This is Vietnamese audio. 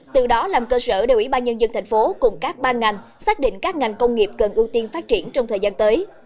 từ đó làm cơ sở để ủy ban nhân dân thành phố cùng các ban ngành xác định các ngành công nghiệp cần ưu tiên phát triển trong thời gian tới